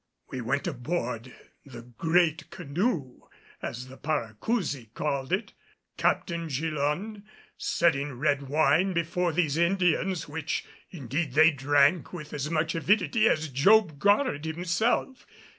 We went aboard the "great canoe" as the Paracousi called it, Captain Gillonne setting red wine before these Indians, which indeed they drank with as much avidity as Job Goddard himself.